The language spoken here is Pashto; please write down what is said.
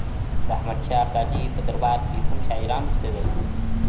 د احمد شاه ابدالي په دربار کي کوم شاعران اوسېدل؟